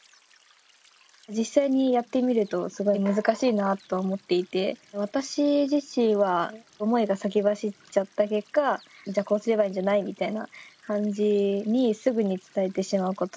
実際にやってみるとすごい難しいなと思っていて私自身は思いが先走っちゃった結果「じゃあこうすればいいんじゃない？」みたいな感じにすぐに伝えてしまうことっていうのがあるので。